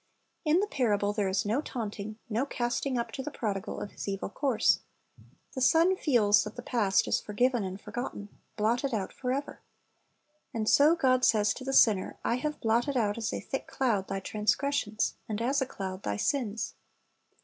''^ In the parable there is no taunting, no casting up to the prodigal of his evil course. The son feels that thv_ past is forgiven and forgotten, blotted out forever. And so God says to the sinner, "I have blotted out, as a thick cloud, thy transgressions, and, as a cloud, thy sins."